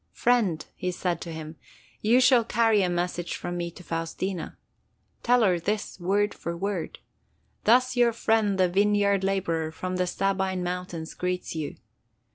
"Friend!" he said to him, "you shall carry a message from me to Faustina. Tell her this word for word! Thus your friend the vineyard laborer from the Sabine mountains greets you.